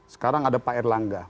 sekarang ada pak erlangga